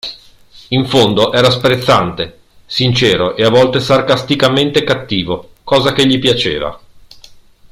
In fondo, era sprezzante, sincero e a volte sarcasticamente cattivo, cosa che gli piaceva.